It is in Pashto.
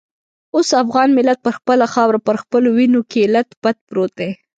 اوس افغان ملت پر خپله خاوره په خپلو وینو کې لت پت پروت دی.